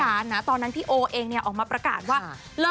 ส่งมาให้โอโนเฟอร์เรเวอร์